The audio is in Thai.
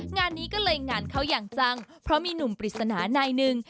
งานนี้ก็เลยงานเข้าอย่างจังเพราะมีหนุ่มปริศนานายหนึ่ง